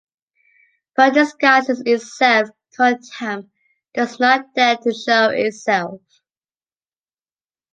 Pride disguises itself; contempt does not dare to show itself.